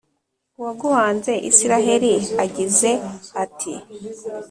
uwaguhanze Israheli agize ati